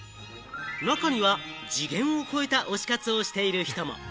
中には次元を超えた推し活をしている人も。